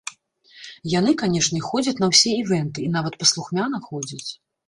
Яны, канечне, ходзяць на ўсе івэнты, і нават паслухмяна ходзяць!